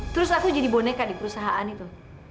terus aku jadi boneka di perusahaan itu